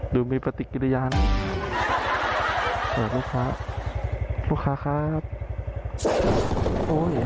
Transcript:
ดูมีปฏิกิริยาณเผื่อลูกค้าลูกค้าครับโอ้ย